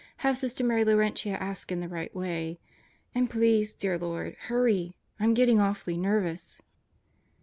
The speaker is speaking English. Have Sister Mary Laurentia ask in the right way. And please, dear Lord, hurry! I'm getting awfully nervous."